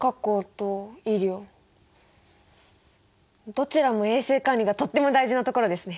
どちらも衛生管理がとっても大事なところですね。